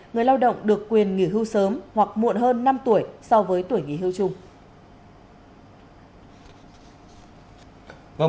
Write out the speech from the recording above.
người lao động được quyền nghỉ hưu sớm hoặc muộn hơn năm tuổi so với tuổi nghỉ hưu chung